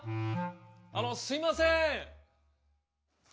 あのすいません。